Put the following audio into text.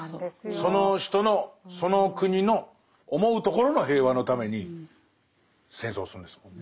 その人のその国の思うところの平和のために戦争するんですもんね。